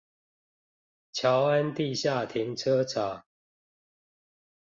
僑安地下停車場